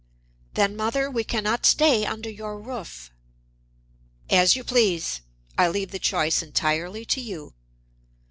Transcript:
"Then, mother, we can not stay under your roof." "As you please! I leave the choice entirely to you."